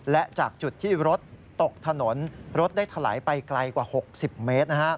และจากจุดที่รถตกถนนรถได้ถลายไปไกลกว่า๖๐เมตร